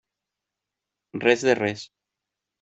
Res de res.